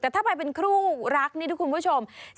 แต่ถ้าไปเป็นคู่รักนี่ทุกคุณผู้ชม